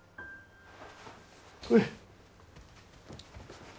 これ。